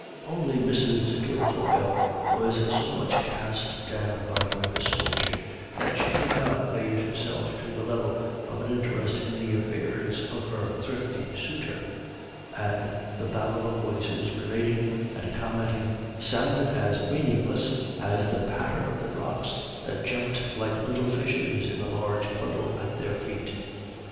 Only Mrs. Kilfoyle was so much cast down by her misfortune that she could not raise herself to the level of an interest in the affairs of her thrifty suitor, and the babble of voices relating and commenting sounded as meaningless as the patter of the drops which jumped like little fishes in the large puddle at their feet.